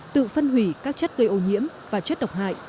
tự phân hủy các chất gây ô nhiễm và chất độc hại